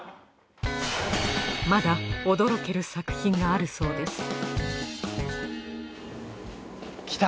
まだ驚ける作品があるそうですきた！